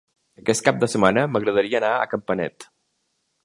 Aquest cap de setmana m'agradaria anar a Campanet.